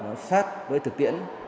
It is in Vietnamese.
nó sát với thực tiễn